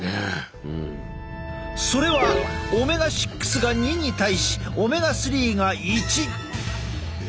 それはオメガ６が２に対しオメガ３が１。